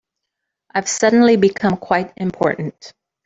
I've suddenly become quite important.